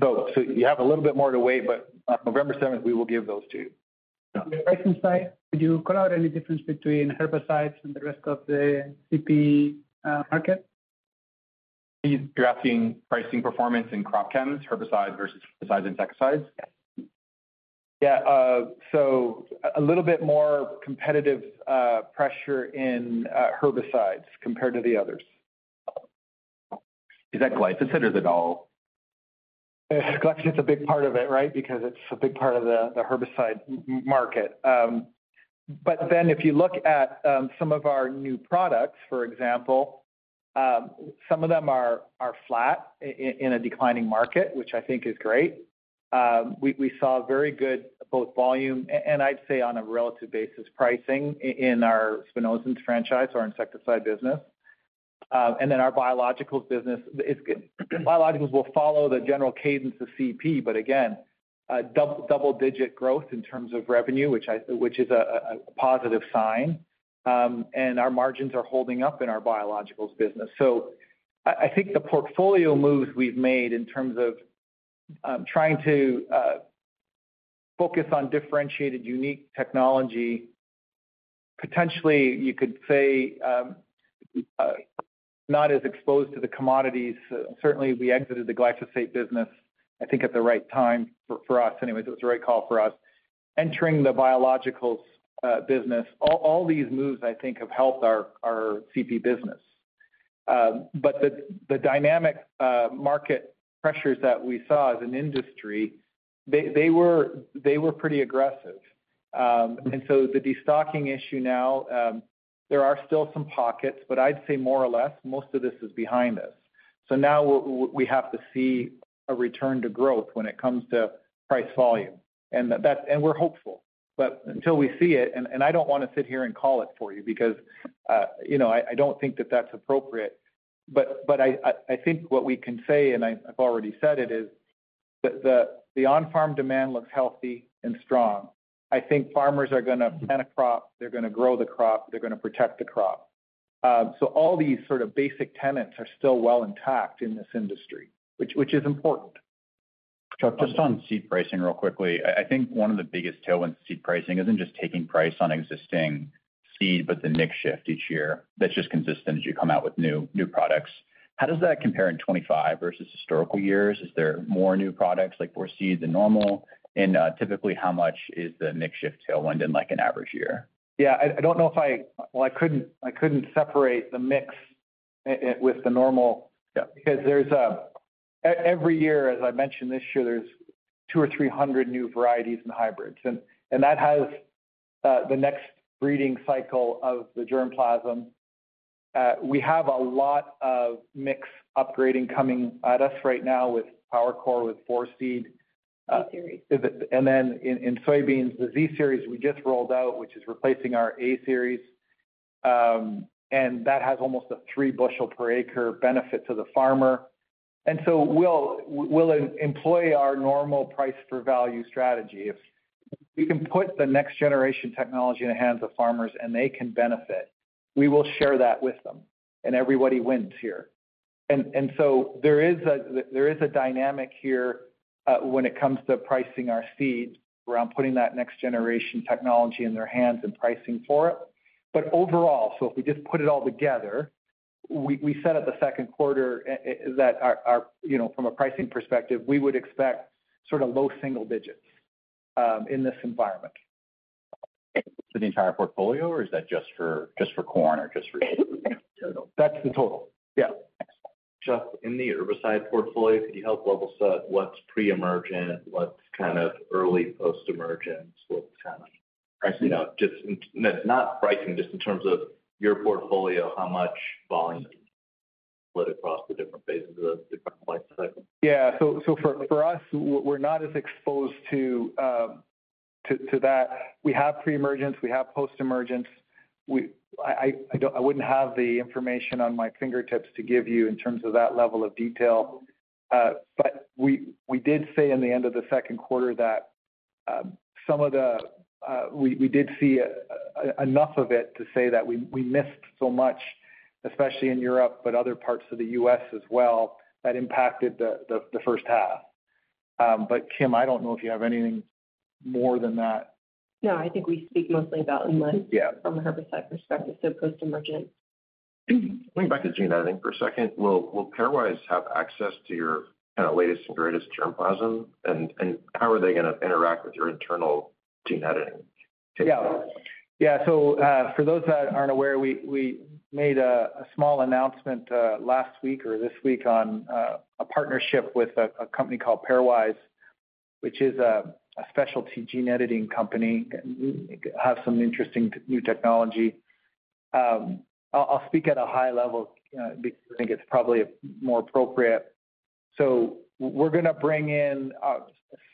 So, so you have a little bit more to wait, but on November seventh, we will give those to you. On the pricing side, could you call out any difference between herbicides and the rest of the CP, market? You're asking pricing performance in crop chem, herbicides versus insecticides? Yes. Yeah, so a little bit more competitive pressure in herbicides compared to the others. Is that glyphosate, or is it all? Glyphosate is a big part of it, right? Because it's a big part of the herbicide market. But then if you look at some of our new products, for example, some of them are flat in a declining market, which I think is great. We saw very good, both volume, and I'd say on a relative basis, pricing in our spinosyns franchise, our insecticide business. And then our biologicals business. Biologicals will follow the general cadence of CP, but again, double-digit growth in terms of revenue, which is a positive sign. And our margins are holding up in our biologicals business. So I think the portfolio moves we've made in terms of trying to focus on differentiated, unique technology, potentially, you could say, not as exposed to the commodities. Certainly, we exited the glyphosate business, I think, at the right time for us anyway. It was the right call for us. Entering the biologicals business, all these moves, I think, have helped our CP business. But the dynamic market pressures that we saw as an industry, they were pretty aggressive. And so the destocking issue now, there are still some pockets, but I'd say more or less, most of this is behind us. So now we have to see a return to growth when it comes to price volume, and that's, and we're hopeful. But until we see it, and I don't want to sit here and call it for you because, you know, I don't think that that's appropriate. But I think what we can say, and I've already said it, is that the on-farm demand looks healthy and strong. I think farmers are gonna plant a crop, they're gonna grow the crop, they're gonna protect the crop, so all these sort of basic tenets are still well intact in this industry, which is important. Just on seed pricing, real quickly, I, I think one of the biggest tailwind seed pricing isn't just taking price on existing seed, but the mix shift each year. That's just consistent as you come out with new, new products. How does that compare in twenty-five versus historical years? Is there more new products like Vorceed than normal? And typically, how much is the mix shift tailwind in, like, an average year? Yeah, I don't know if I... Well, I couldn't separate the mix with the normal- Yeah. because every year, as I mentioned this year, there's two or three hundred new varieties in hybrids, and that has the next breeding cycle of the germplasm. We have a lot of mix upgrading coming at us right now with PowerCore, with Vorceed. Z-Series. And then in soybeans, the Z-Series we just rolled out, which is replacing our A-Series, and that has almost a three bushel per acre benefit to the farmer. And so we'll employ our normal price for value strategy. If we can put the next generation technology in the hands of farmers and they can benefit, we will share that with them, and everybody wins here. And so there is a dynamic here when it comes to pricing our seed around putting that next generation technology in their hands and pricing for it. Overall, if we just put it all together, we said at the second quarter that our, you know, from a pricing perspective, we would expect sort of low single digits in this environment. For the entire portfolio, or is that just for, just for corn or just for? Total. That's the total. Yeah. Thanks. Chuck, in the herbicide portfolio, could you help level set what's pre-emergent, what's kind of early post-emergence, what's kind of? Actually, no, just not pricing, just in terms of your portfolio, how much volume split across the different phases of the different life cycle? Yeah. So for us, we're not as exposed to that. We have pre-emergence, we have post-emergence. We-- I don't, I wouldn't have the information at my fingertips to give you in terms of that level of detail. But we did say at the end of the second quarter that some of the we did see enough of it to say that we missed so much, especially in Europe, but other parts of the US as well, that impacted the first half. But Kim, I don't know if you have anything more than that. No, I think we speak mostly about unless- Yeah from a herbicide perspective, so post-emergent. Going back to gene editing for a second, will Pairwise have access to your kind of latest and greatest germplasm? And how are they going to interact with your internal gene editing? Yeah. Yeah, so, for those that aren't aware, we made a small announcement last week or this week on a partnership with a company called Pairwise, which is a specialty gene editing company, have some interesting new technology. I'll speak at a high level because I think it's probably more appropriate. So we're going to bring in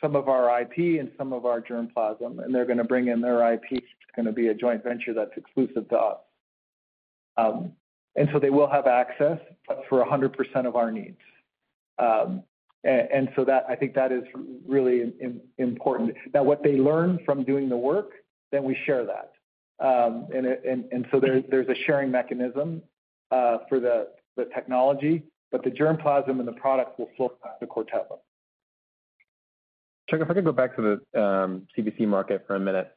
some of our IP and some of our germplasm, and they're going to bring in their IP. It's going to be a joint venture that's exclusive to us. And so they will have access for 100% of our needs. And so that, I think that is really important. Now, what they learn from doing the work, then we share that. There's a sharing mechanism for the technology, but the germplasm and the product will flow back to Corteva. Chuck, if I could go back to the CP market for a minute.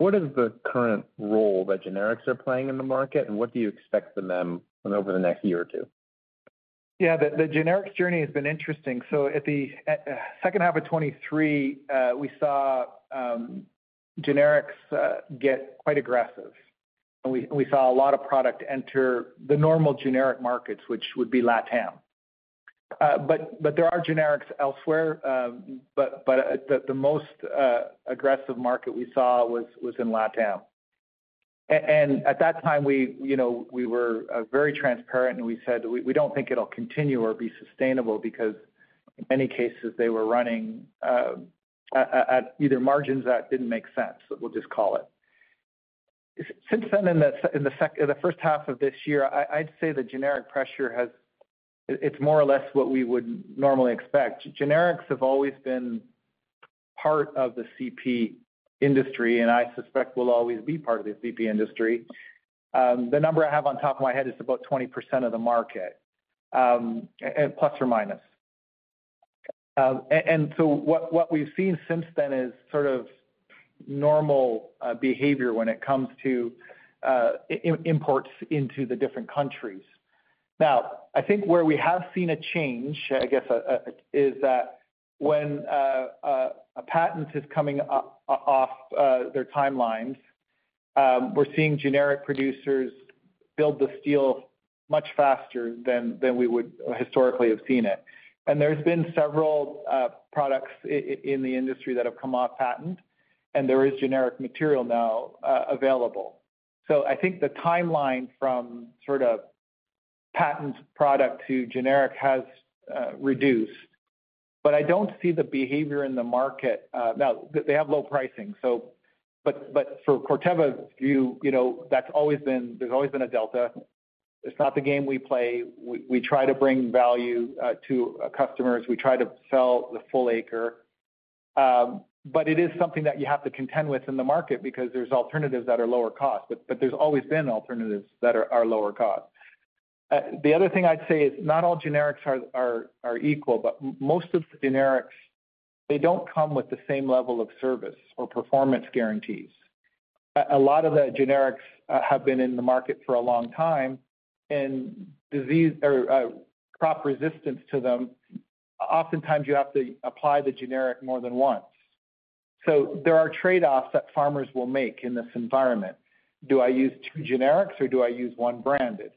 What is the current role that generics are playing in the market, and what do you expect from them over the next year or two? Yeah, the generics journey has been interesting. So at the second half of 2023, we saw generics get quite aggressive, and we saw a lot of product enter the normal generic markets, which would be LatAm. But there are generics elsewhere, but the most aggressive market we saw was in LatAm. And at that time, you know, we were very transparent, and we said we don't think it'll continue or be sustainable because in many cases, they were running at either margins that didn't make sense, we'll just call it. Since then, in the first half of this year, I'd say the generic pressure has. It's more or less what we would normally expect. Generics have always been part of the CP industry, and I suspect will always be part of the CP industry. The number I have on top of my head is about 20% of the market, plus or minus. And so what we've seen since then is sort of normal behavior when it comes to imports into the different countries. Now, I think where we have seen a change, I guess, is that when a patent is coming off their timelines, we're seeing generic producers build the scale much faster than we would historically have seen it. And there's been several products in the industry that have come off patent, and there is generic material now available. So I think the timeline from sort of patent product to generic has reduced, but I don't see the behavior in the market. Now, they have low pricing, so. But for Corteva's view, you know, that's always been, there's always been a delta. It's not the game we play. We try to bring value to our customers. We try to sell the full acre. But it is something that you have to contend with in the market because there's alternatives that are lower cost, but there's always been alternatives that are lower cost. The other thing I'd say is not all generics are equal, but most of the generics, they don't come with the same level of service or performance guarantees. A lot of the generics have been in the market for a long time, and disease or crop resistance to them, oftentimes, you have to apply the generic more than once. So there are trade-offs that farmers will make in this environment. Do I use two generics, or do I use one branded?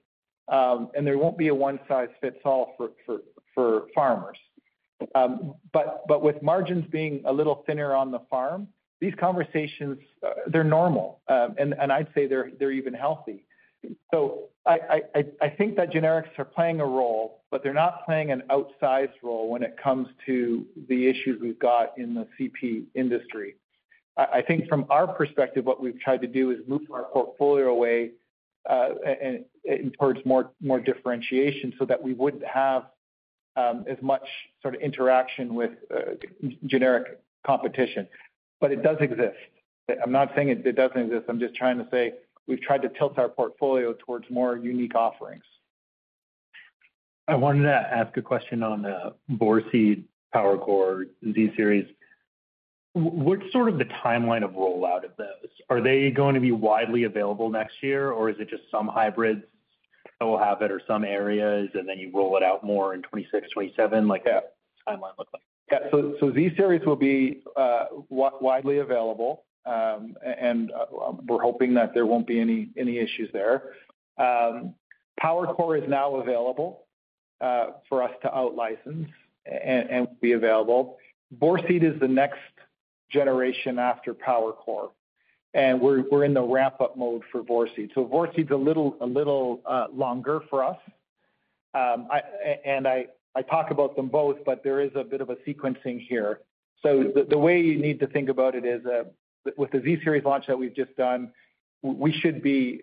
And there won't be a one size fits all for farmers. But with margins being a little thinner on the farm, these conversations, they're normal. And I'd say they're even healthy. So I think that generics are playing a role, but they're not playing an outsized role when it comes to the issues we've got in the CP industry. I think from our perspective, what we've tried to do is move our portfolio away and towards more differentiation so that we wouldn't have as much sort of interaction with generic competition. But it does exist. I'm not saying it doesn't exist. I'm just trying to say we've tried to tilt our portfolio towards more unique offerings. I wanted to ask a question on the Brevant seed PowerCore Z-Series. What's sort of the timeline of rollout of those? Are they going to be widely available next year, or is it just some hybrids that will have it, or some areas, and then you roll it out more in twenty-six, twenty-seven? Like, what does that timeline look like? Yeah. So Z-Series will be widely available, and we're hoping that there won't be any issues there. PowerCore is now available for us to out-license and be available. Vorceed is the next generation after PowerCore, and we're in the wrap-up mode for Vorceed. So Vorceed's a little longer for us. And I talk about them both, but there is a bit of a sequencing here. So the way you need to think about it is with the Z-Series launch that we've just done, we should be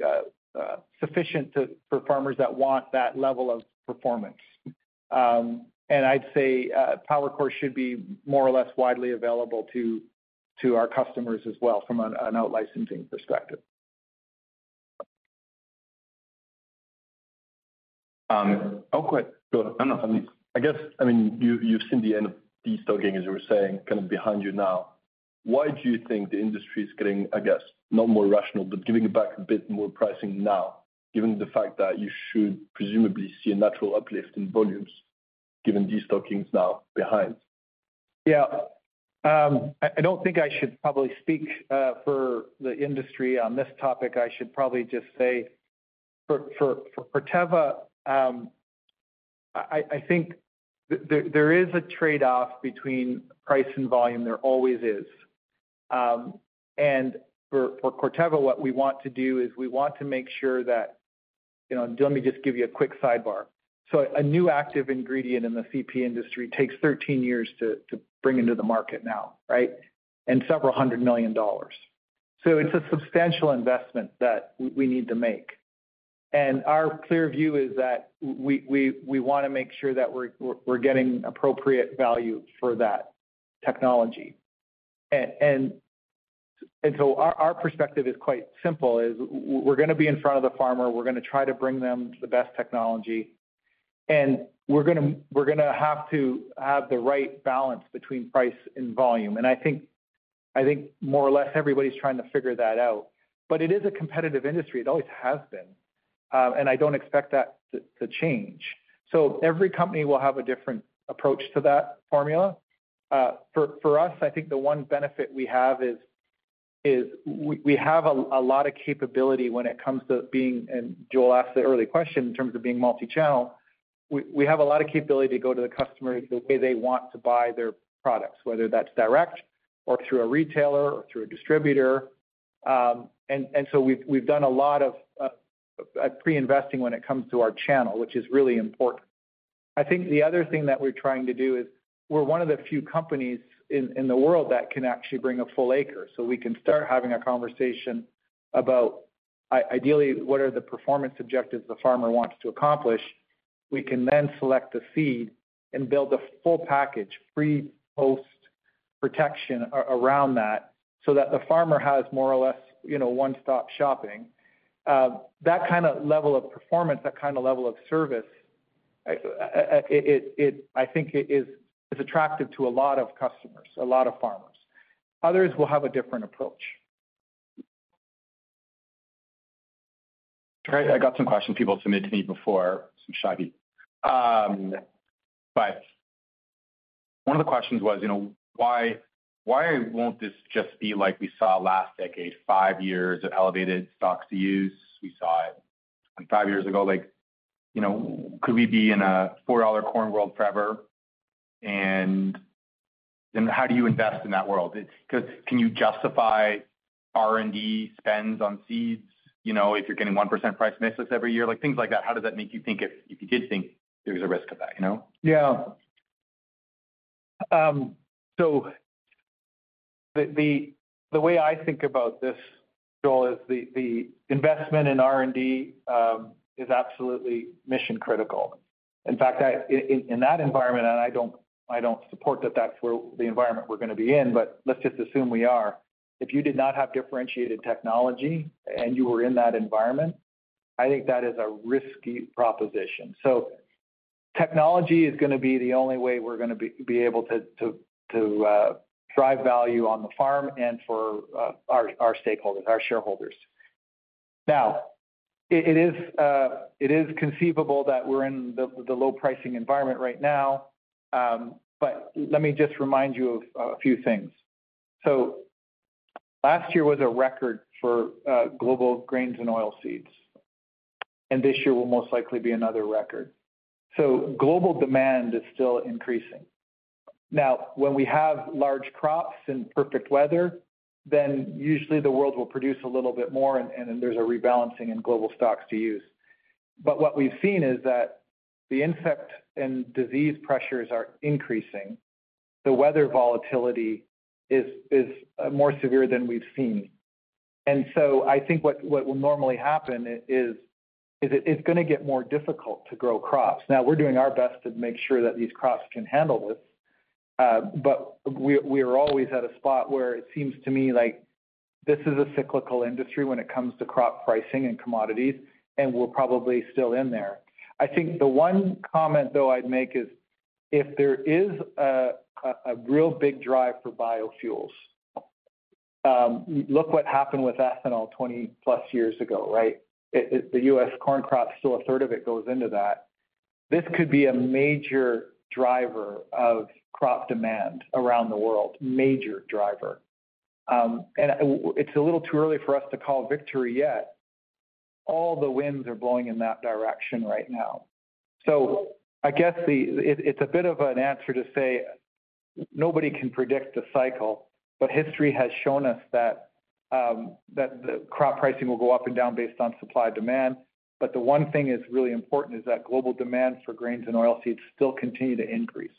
sufficient for farmers that want that level of performance. And I'd say PowerCore should be more or less widely available to our customers as well from an out-licensing perspective. I mean, I guess, you've seen the end of destocking, as you were saying, kind of behind you now. Why do you think the industry is getting, I guess, not more rational, but giving back a bit more pricing now, given the fact that you should presumably see a natural uplift in volumes, given destocking is now behind? Yeah. I don't think I should probably speak for the industry on this topic. I should probably just say, for Corteva, I think there is a trade-off between price and volume. There always is. And for Corteva, what we want to do is we want to make sure that... You know, let me just give you a quick sidebar. So a new active ingredient in the CP industry takes thirteen years to bring into the market now, right? And several hundred million dollars. So it's a substantial investment that we need to make. And our clear view is that we wanna make sure that we're getting appropriate value for that technology. Our perspective is quite simple. We're gonna be in front of the farmer. We're gonna try to bring them the best technology, and we're gonna have to have the right balance between price and volume. And I think more or less, everybody's trying to figure that out. But it is a competitive industry. It always has been, and I don't expect that to change. So every company will have a different approach to that formula. For us, I think the one benefit we have is we have a lot of capability when it comes to being. And Joel asked the early question in terms of being multi-channel. We have a lot of capability to go to the customer the way they want to buy their products, whether that's direct or through a retailer or through a distributor. And so we've done a lot of pre-investing when it comes to our channel, which is really important. I think the other thing that we're trying to do is, we're one of the few companies in the world that can actually bring a full acre. So we can start having a conversation about ideally, what are the performance objectives the farmer wants to accomplish? We can then select the seed and build a full package, pre, post-protection around that, so that the farmer has more or less, you know, one-stop shopping. That kind of level of performance, that kind of level of service. I think it is. It's attractive to a lot of customers, a lot of farmers. Others will have a different approach. I got some questions people submitted to me before, some shiny. But one of the questions was, you know, why won't this just be like we saw last decade, five years of elevated stocks-to-use? We saw it like five years ago. Like, you know, could we be in a $4 corn world forever? And then how do you invest in that world? It's 'cause can you justify R&D spends on seeds, you know, if you're getting 1% price misses every year? Like, things like that. How does that make you think if you did think there's a risk of that, you know? Yeah. So the way I think about this, Joel, is the investment in R&D is absolutely mission-critical. In fact, in that environment, and I don't support that that's where the environment we're gonna be in, but let's just assume we are. If you did not have differentiated technology and you were in that environment, I think that is a risky proposition. So technology is gonna be the only way we're gonna be able to drive value on the farm and for our stakeholders, our shareholders. Now, it is conceivable that we're in the low pricing environment right now, but let me just remind you of a few things. So last year was a record for global grains and oilseeds, and this year will most likely be another record. So global demand is still increasing. Now, when we have large crops and perfect weather, then usually the world will produce a little bit more, and then there's a rebalancing in global stocks-to-use. But what we've seen is that the insect and disease pressures are increasing. The weather volatility is more severe than we've seen. And so I think what will normally happen is it's gonna get more difficult to grow crops. Now, we're doing our best to make sure that these crops can handle this, but we are always at a spot where it seems to me like this is a cyclical industry when it comes to crop pricing and commodities, and we're probably still in there. I think the one comment, though, I'd make is, if there is a real big drive for biofuels, look what happened with ethanol twenty-plus years ago, right? It- the U.S. corn crop, still a third of it goes into that. This could be a major driver of crop demand around the world, major driver. And it's a little too early for us to call victory yet. All the winds are blowing in that direction right now. So I guess it's a bit of an answer to say, nobody can predict the cycle, but history has shown us that, that the crop pricing will go up and down based on supply, demand. But the one thing that's really important is that global demand for grains and oilseeds still continue to increase.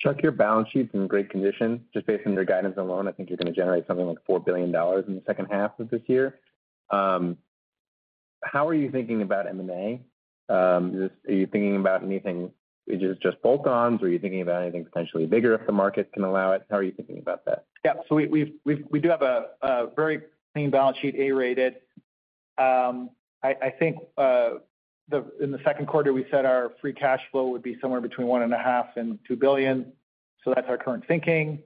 Chuck, your balance sheet's in great condition. Just based on your guidance alone, I think you're gonna generate something like $4 billion in the second half of this year. How are you thinking about M&A? Are you thinking about anything, which is just bolt-ons, or are you thinking about anything potentially bigger if the market can allow it? How are you thinking about that? Yeah, so we do have a very clean balance sheet, A-rated. I think in the second quarter, we said our free cash flow would be somewhere between $1.5 billion and $2 billion, so that's our current thinking.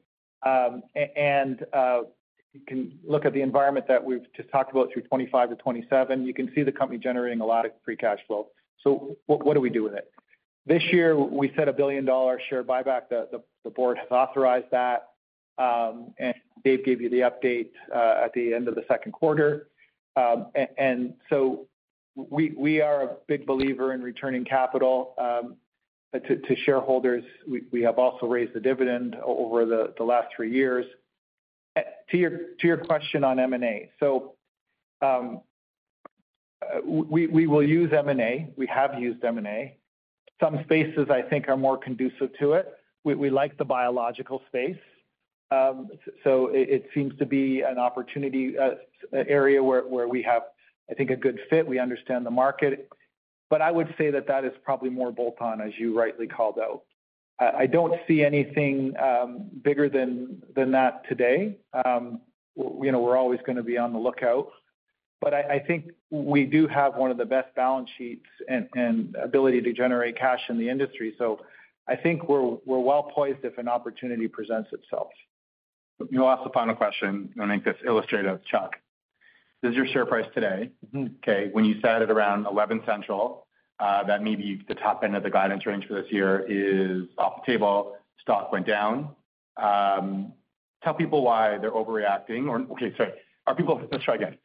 You can look at the environment that we've just talked about through 2025 to 2027. You can see the company generating a lot of free cash flow. So what do we do with it? This year, we set a $1 billion share buyback. The board has authorized that, and Dave gave you the update at the end of the second quarter. And so we are a big believer in returning capital to shareholders. We have also raised the dividend over the last three years. To your question on M&A. So, we will use M&A. We have used M&A. Some spaces, I think, are more conducive to it. We like the biological space. So it seems to be an opportunity area where we have, I think, a good fit. We understand the market. But I would say that is probably more bolt-on, as you rightly called out. I don't see anything bigger than that today. You know, we're always gonna be on the lookout, but I think we do have one of the best balance sheets and ability to generate cash in the industry. So I think we're well-poised if an opportunity presents itself. You asked the final question. I'm gonna make this illustrative, Chuck. This is your share price today. Okay. When you said it around eleven central, that maybe the top end of the guidance range for this year is off the table. Stock went down. Tell people why they're overreacting. Okay, sorry. Let's try again.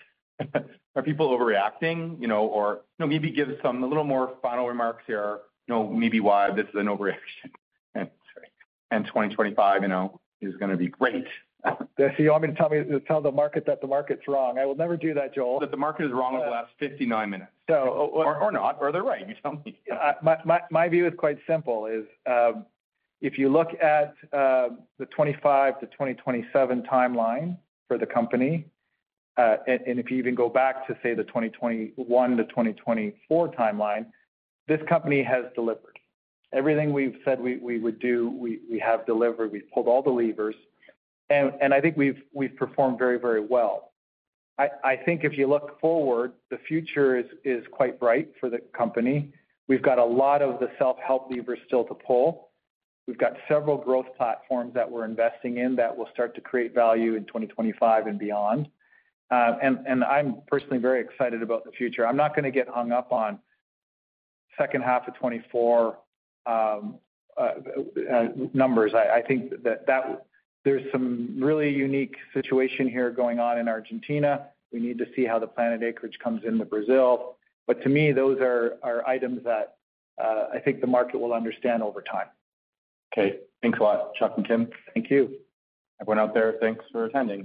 Are people overreacting? You know, or, you know, maybe give some a little more final remarks here, you know, maybe why this is an overreaction, and sorry, and twenty twenty-five, you know, is gonna be great. So you want me to tell the market that the market's wrong? I will never do that, Joel. That the market is wrong over the last fifty-nine minutes. So- Or not, they're right. You tell me. My view is quite simple. If you look at the 2025 to 2027 timeline for the company, and if you even go back to, say, the 2021 to 2024 timeline, this company has delivered. Everything we've said we would do, we have delivered. We've pulled all the levers, and I think we've performed very, very well. I think if you look forward, the future is quite bright for the company. We've got a lot of the self-help levers still to pull. We've got several growth platforms that we're investing in that will start to create value in 2025 and beyond. And I'm personally very excited about the future. I'm not gonna get hung up on second half of 2024 numbers. I think that there's some really unique situation here going on in Argentina. We need to see how the planted acreage comes in with Brazil. But to me, those are items that I think the market will understand over time. Okay. Thanks a lot, Chuck and Tim. Thank you. Everyone out there, thanks for attending.